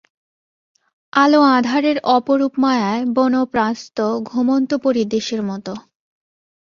আলো-আঁধারের অপরূপ মায়ায় বনপ্রাস্ত ঘুমন্ত পরীর দেশের মতো।